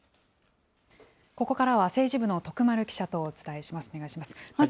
ここからは政治部の徳丸記者とお伝えします。